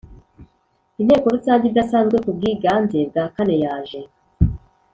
inteko rusange idasanzwe ku bwiganze bwa kane yaje